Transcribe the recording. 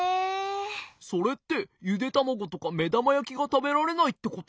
それってゆでたまごとかめだまやきがたべられないってこと？